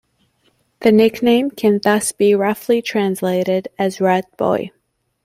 The nickname can thus be roughly translated as "rat boy".